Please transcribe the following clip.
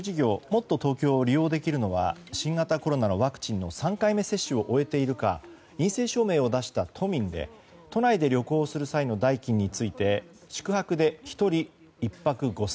もっとＴｏｋｙｏを利用できるのは新型コロナのワクチンの３回目接種を終えているか陰性証明を出した都民で都内で旅行をする際の代金について宿泊で１人１泊５０００円